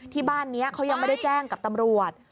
ที่บ้านนี้เขายังไม่ได้แจ้งกับตำรวจ